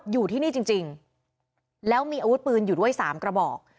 อยู่ที่นี่จริงแล้วมีอาวุธปืนอยู่ด้วยสามกระบอก